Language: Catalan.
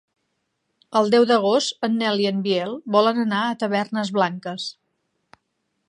El deu d'agost en Nel i en Biel volen anar a Tavernes Blanques.